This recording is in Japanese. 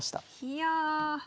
いや！